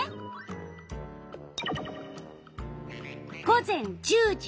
午前１０時。